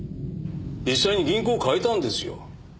実際に銀行を変えたんですよ。